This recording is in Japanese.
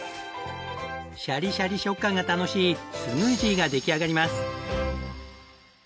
シャリシャリ食感が楽しいスムージーが出来上がります。